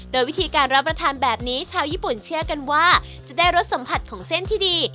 โดยวิธีการรับประทานแบบนี้ชาวญี่ปุ่นเชื่อกันว่าจะได้รสสัมผัสของเส้นที่ดี